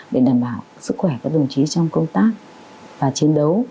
để đảm bảo sức khỏe các đồng chí trong công tác và chiến đấu